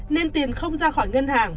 nên tiền không ra khỏi ngân hàng